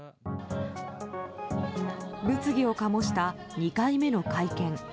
物議を醸した２回目の会見。